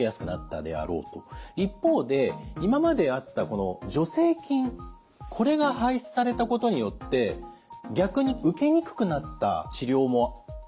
一方で今まであったこの助成金これが廃止されたことによって逆に受けにくくなった治療もあるようだということですね。